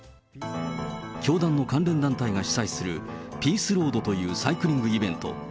教団の関連団体が主催するピースロードというサイクリングイベント。